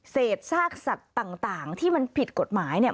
เศษซากสัตว์ต่างที่มันผิดกฎหมายเนี่ย